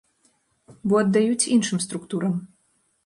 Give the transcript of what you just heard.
Бо аддаюць іншым структурам.